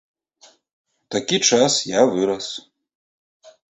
У такі час я вырас.